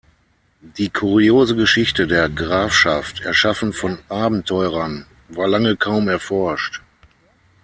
Die kuriose Geschichte der Grafschaft, erschaffen von Abenteurern, war lange kaum erforscht.